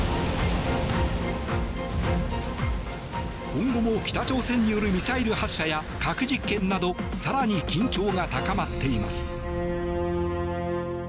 今後も北朝鮮によるミサイル発射や核実験など更に緊張が高まっています。